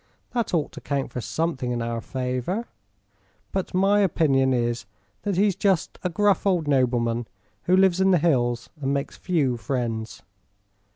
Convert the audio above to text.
That ought to count for something in our favor. But my opinion is that he's just a gruff old nobleman who lives in the hills and makes few friends."